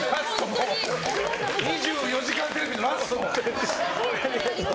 「２４時間テレビ」のラスト。